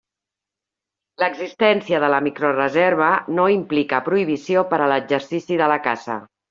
L'existència de la microreserva no implica prohibició per a l'exercici de la caça.